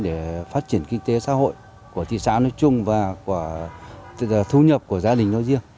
để phát triển kinh tế xã hội của thị xã nói chung và của thu nhập của gia đình nói riêng